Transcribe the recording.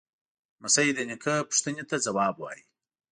لمسی د نیکه پوښتنې ته ځواب وايي.